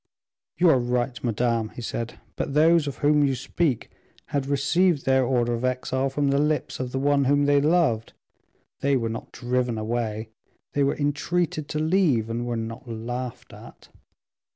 "You are right, madame," he said, "but those of whom you speak had received their order of exile from the lips of the one whom they loved; they were not driven away; they were entreated to leave, and were not laughed at."